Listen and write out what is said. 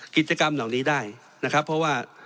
กิจกรรมเหล่านี้ได้นะครับเพราะว่า